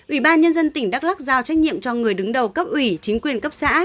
ubnd tỉnh đắk lắc giao trách nhiệm cho người đứng đầu cấp ủy chính quyền cấp xã